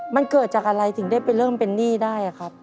มันเกิดจากอะไรถึงได้ไปเริ่มเป็นหนี้ได้ครับ